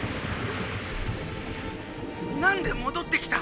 「何で戻ってきた！」。